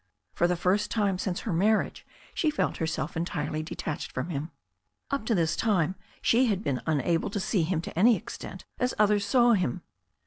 For the first time since her marriage she felt herself en tirely detached from him. Up to this time she had been unable to see him to any extent as others saw him.